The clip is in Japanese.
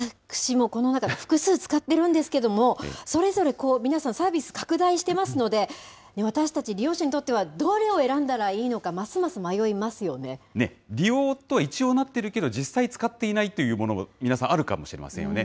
片山さん、ポイント、上手に使っいや、私もこの中、複数使ってるんですけども、それぞれ皆さん、サービス拡大してますので、私たち利用者にとっては、どれを選んだらいいのか、ますます迷いね、利用と一応なっているけど、実際使っていないというもの、皆さんあるかもしれませんよね。